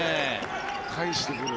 返してくる。